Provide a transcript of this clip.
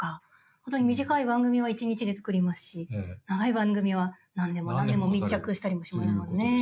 本当に短い番組は一日で作りますし、長い番組は何年も何年も密着したりもしますものね。